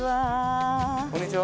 こんにちは。